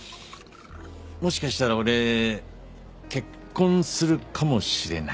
もしかしたら俺結婚するかもしれない。